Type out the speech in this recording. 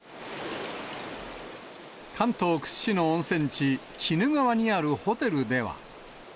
関東屈指の温泉地、鬼怒川にあるホテルでは。